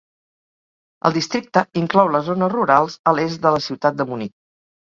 El districte inclou les zones rurals a l'est de la ciutat de Munic.